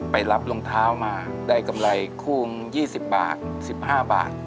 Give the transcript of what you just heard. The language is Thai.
ไปรับรองเท้ามาได้กำไรคู่ยี่สิบบาทสิบห้าบาท